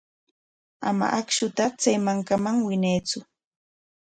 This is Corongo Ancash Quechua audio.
Ama akshuta chay mankaman winaytsu.